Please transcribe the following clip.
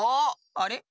あれ？